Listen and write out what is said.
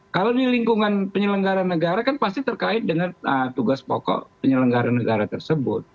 kalau di lingkungan penyelenggara negara kan pasti terkait dengan tugas pokok penyelenggaran negara tersebut